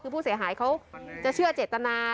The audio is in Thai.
คือผู้เสียหายเขาจะเชื่อเจตนา